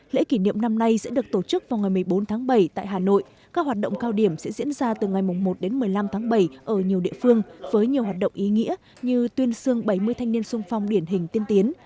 lễ kỷ niệm năm nay sẽ được tổ chức vào ngày một mươi bốn tháng bảy tại hà nội các hoạt động cao điểm sẽ diễn ra từ ngày một đến một mươi năm tháng bảy ở nhiều địa phương với nhiều hoạt động ý nghĩa như tuyên sương bảy mươi thanh niên sung phong điển hình tiên tiến